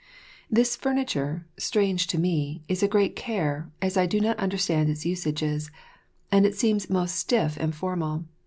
This furniture, strange to me, is a great care, as I do not understand its usages, and it seems most stiff and formal.